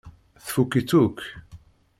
Tfukk-itt akk.